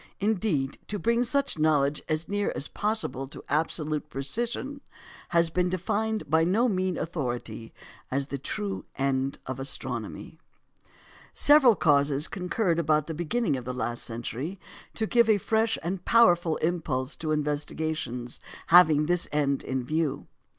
Indeed, to bring such knowledge as near as possible to absolute precision has been defined by no mean authority as the true end of astronomy. Several causes concurred about the beginning of the last century to give a fresh and powerful impulse to investigations having this end in view.